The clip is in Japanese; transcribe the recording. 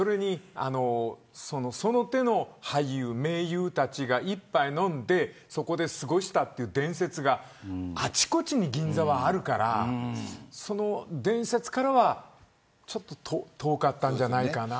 その手の俳優、名優たちが１杯飲んでそこで過ごしたっていう伝説があちこちに銀座はあるからその伝説からは、ちょっと遠かったんじゃないかな。